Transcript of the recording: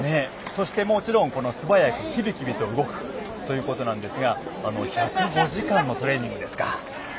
そしてもちろん、素早くきびきびと動くということなんですが１０５時間のトレーニングですか。